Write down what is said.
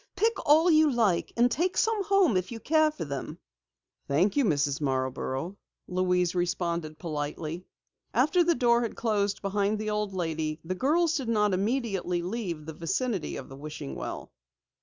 Pick all you like and take some home if you care for them." "Thank you, Mrs. Marborough," Louise responded politely. After the door had closed behind the old lady, the girls did not immediately leave the vicinity of the wishing well.